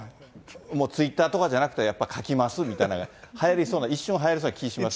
もうツイッターとかじゃなくて、やっぱ書きますみたいなのが、はやりそうな、一瞬はやりそうな気がします。